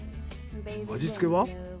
味付けは？